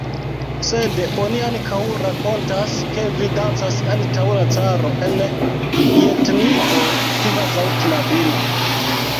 Sed oni ankaŭ rakontas, ke vi dancas antaŭ la caro en ljetniko kvazaŭ knabino!